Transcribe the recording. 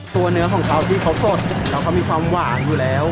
เนื้อของเขาที่เขาสดแล้วเขามีความหวานอยู่แล้ว